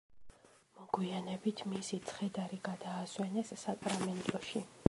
მოგვიანებით მისი ცხედარი გადაასვენეს საკრამენტოში.